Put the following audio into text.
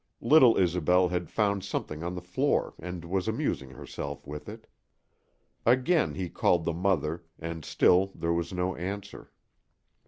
Little Isobel had found something on the floor and was amusing herself with it. Again he called the mother, and still there was no answer.